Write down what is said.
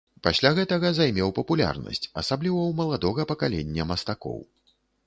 Пасля гэтага займеў папулярнасць, асабліва ў маладога пакалення мастакоў.